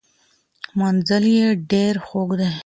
منزل یې ډیر خوږ دی.